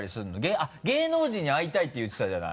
あっ芸能人に会いたいって言ってたじゃない。